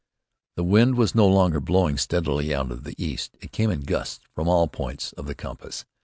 The wind was no longer blowing steadily out of the east. It came in gusts from all points of the compass.